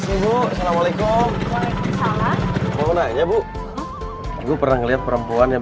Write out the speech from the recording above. hai ibu assalamualaikum waalaikumsalam mau nanya bu gua pernah ngelihat perempuan yang